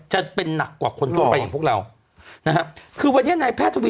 จะเป็นหนักกว่าคนทั่วไปอย่างพวกเรา